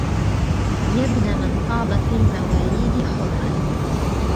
يا ابن من طاب في المواليد حرا